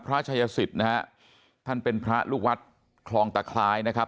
พระชายสิทธิ์นะฮะท่านเป็นพระลูกวัดคลองตะคลายนะครับ